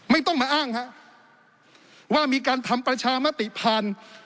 ไม่ต้องมาอ้างฮะว่ามีการทำประชามติผ่าน